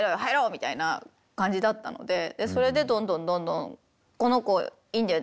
みたいな感じだったのでそれでどんどんどんどん「この子いいんだよね。